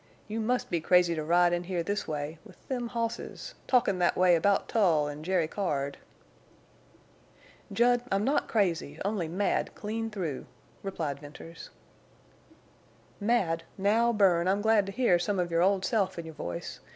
You must be crazy to ride in here this way—with them hosses—talkie' thet way about Tull en' Jerry Card." "Jud, I'm not crazy—only mad clean through," replied Venters. "Wal, now, Bern, I'm glad to hear some of your old self in your voice.